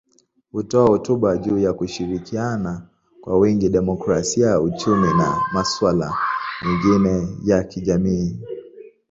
Hutoa hotuba juu ya kushirikiana kwa wingi, demokrasia, uchumi na masuala mengine ya kijamii.